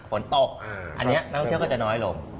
ฝนตกอันนี้นักท่องเที่ยวก็จะน้อยลง